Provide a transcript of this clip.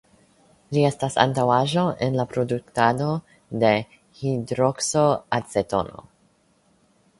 Ĝi estas antaŭaĵo en la produktado de "hidrokso-acetono".